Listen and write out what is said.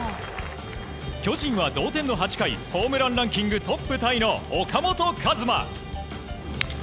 巨人は同点の８回ホームランランキングトップタイの岡本和真。